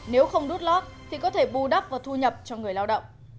nếu không đốt lót thì có thể bù đắp vào thu nhập cho người lao động